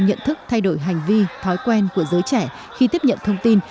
nhận thức thay đổi hành vi thói quen của giới trẻ khi tiếp nhận thông tin